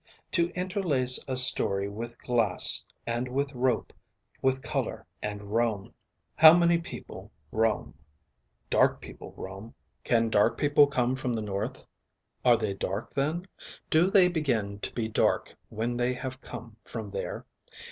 To interlace a story with glass and with rope with color and roam. How many people roam. Dark people roam. Can dark people come from the north. Are they dark then. Do they begin to be dark when they have come from there.